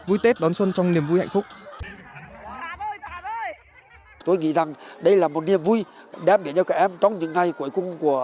vui tết đón xuân trong niềm vui hạnh phúc